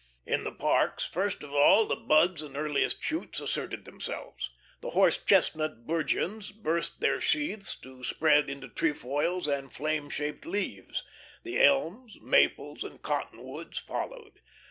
In the parks, first of all, the buds and earliest shoots asserted themselves. The horse chestnut bourgeons burst their sheaths to spread into trefoils and flame shaped leaves. The elms, maples, and cottonwoods followed.